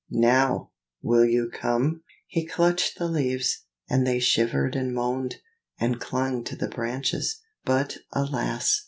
now will you come?" he clutched the leaves, and they shivered and moaned, and clung to the branches. But alas!